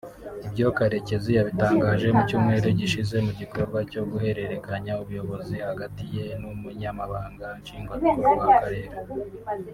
Ibyo Karekezi yabitangaje mu cyumweru gishize mu gikorwa cyo guhererekanya ubuyobozi hagati ye n’Umunyamabanga Nshingwabikorwa w’Akarere